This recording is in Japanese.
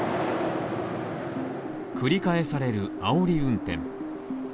繰り返されるあおり運転。